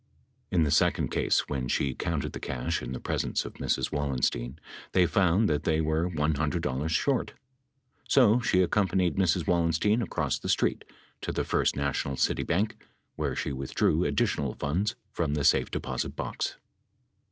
In the second case, when she counted the cash in the presence of Mrs. Wallenstein, they found that they were $100 short, so she accompanied Mrs. Wallenstein across the street to the First Na tional City Bank where she withdrew additional funds from the safe deposit box.